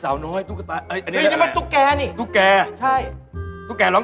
อันนี้แค่ลออ้อง